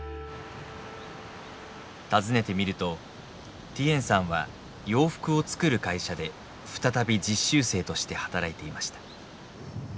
訪ねてみるとティエンさんは洋服を作る会社で再び実習生として働いていました。